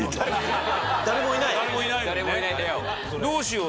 どうしよう！